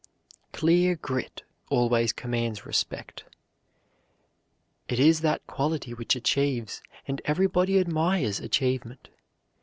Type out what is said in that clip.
"Clear grit" always commands respect. It is that quality which achieves, and everybody admires achievement.